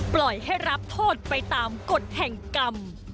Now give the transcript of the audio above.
ปล่อยให้รับโทษไปตามกฎแห่งกรรม